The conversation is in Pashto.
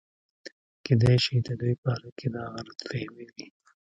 کېدے شي دَدوي باره کښې دا غلط فهمي وي